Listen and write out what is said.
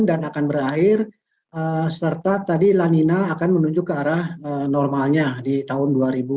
dan akan berakhir serta tadi larina akan menuju ke arah normalnya di tahun dua ribu dua puluh tiga